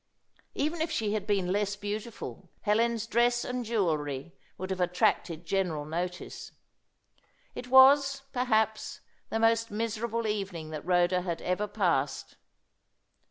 Even if she had been less beautiful, Helen's dress and jewellery would have attracted general notice. It was, perhaps, the most miserable evening that Rhoda had ever passed.